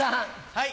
はい。